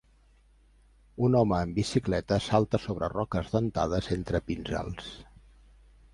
Un home en bicicleta salta sobre roques dentades entre pins alts.